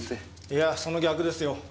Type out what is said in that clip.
いやその逆ですよ。